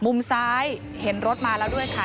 มุมซ้ายเห็นรถมาแล้วด้วยค่ะ